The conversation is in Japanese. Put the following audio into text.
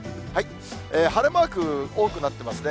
晴れマーク、多くなっていますね。